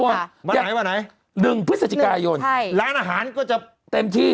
ไหนมาไหน๑พฤศจิกายนร้านอาหารก็จะเต็มที่